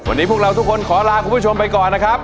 หวันดีทุกคนขอลาคุณผู้ชมไปก่อนนะครับ